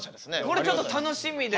これちょっと楽しみですね。